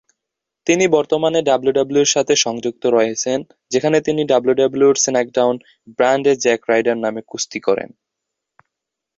তিনি বর্তমানে ডাব্লিউডাব্লিউইর সাথে সংযুক্ত রয়েছেন, যেখানে তিনি ডাব্লিউডাব্লিউই স্ম্যাকডাউন ব্র্যান্ডে জ্যাক রাইডার নামে কুস্তি করেন।